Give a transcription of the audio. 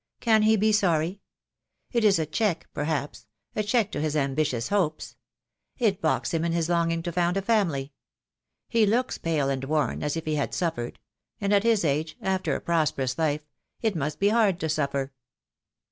Can he be sorry? It is a check, per haps; a check to his ambitious hopes. It baulks him in his longing to found a family. He looks pale and worn, as if he had suffered: and at his age, after a prosperous life, it must be hard to suffer."